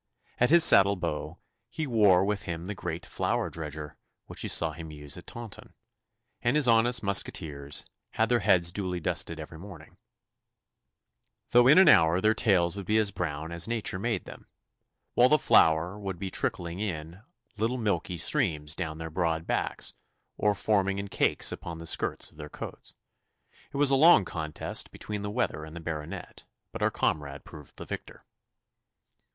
At his saddle bow he bore with him the great flour dredger which we saw him use at Taunton, and his honest musqueteers had their heads duly dusted every morning, though in an hour their tails would be as brown as nature made them, while the flour would be trickling in little milky streams down their broad backs, or forming in cakes upon the skirts of their coats. It was a long contest between the weather and the Baronet, but our comrade proved the victor.